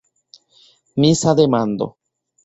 Misa demando.